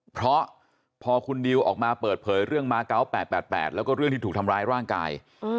เพราะพอคุณดิวออกมาเปิดเผยเรื่องมา๙๘๘แล้วก็เรื่องที่ถูกทำร้ายร่างกาย